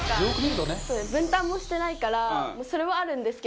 分担もしてないからそれもあるんですけど。